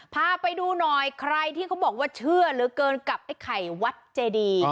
พาไปดูหน่อยใครที่เขาบอกว่าเชื่อเหลือเกินกับไอ้ไข่วัดเจดี